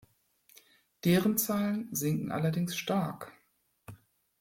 Deren Zahlen sinken allerdings stark.